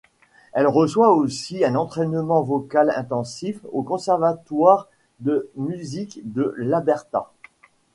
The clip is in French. Elle reçoit aussi un entraînement vocal intensif au Conservatoire de musique de l'Alberta.